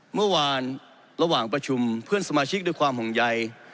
เมื่อวานระหว่างประชุมเพื่อนสมาชิกด้วยความห่วงใย